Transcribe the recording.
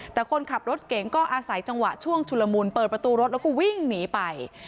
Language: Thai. แต่คนขับรถเก่งก็อาศัยจังหวะช่วงชุลมุนเปิดประตูรถแล้วก็วิ่งหนีไป